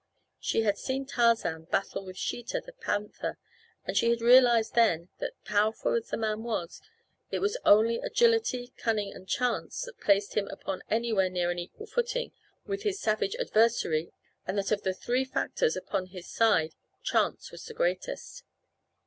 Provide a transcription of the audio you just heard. She had seen Tarzan battle with Sheeta, the panther, and she had realized then that powerful as the man was, it was only agility, cunning, and chance that placed him upon anywhere near an equal footing with his savage adversary, and that of the three factors upon his side chance was the greatest.